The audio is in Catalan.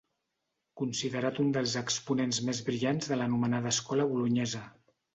Considerat un dels exponents més brillants de l'anomenada escola Bolonyesa.